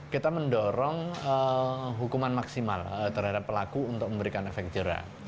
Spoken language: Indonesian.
kita mendorong hukuman maksimal terhadap pelaku untuk memberikan efek jerah